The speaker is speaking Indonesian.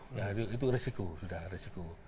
nah itu risiko sudah risiko